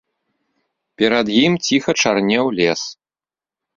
Перад ім ціха чарнеў лес.